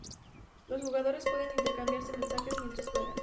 Los jugadores pueden intercambiarse mensajes mientras juegan.